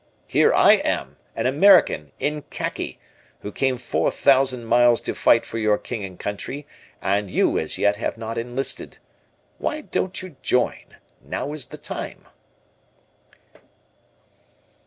Here I am, an American, in khaki, who came four thousand miles to fight for your King and Country, and you, as yet, have not enlisted. Why don't you join? Now is the time."